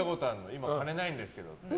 今、金ないんですって。